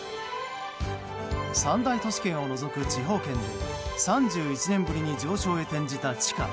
３大都市圏を除く地方圏で３１年ぶりに上昇へ転じた地価。